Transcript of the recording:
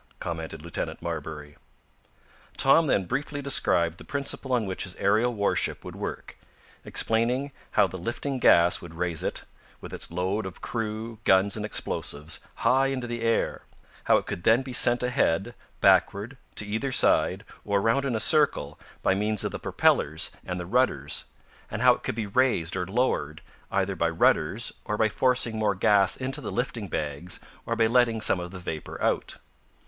commented Lieutenant Marbury. Tom then briefly described the principle on which his aerial warship would work, explaining how the lifting gas would raise it, with its load of crew, guns and explosives, high into the air; how it could then be sent ahead, backward, to either side, or around in a circle, by means of the propellers and the rudders, and how it could be raised or lowered, either by rudders or by forcing more gas into the lifting bags, or by letting some of the vapor out.